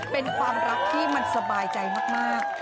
เป็นความรักที่มันสบายใจมาก